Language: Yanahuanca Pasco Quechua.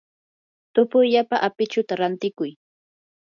tupuyllapa apichuta rantikuy.